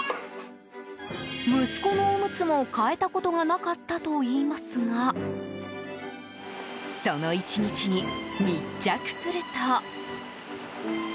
息子のおむつも替えたことがなかったといいますがその１日に密着すると。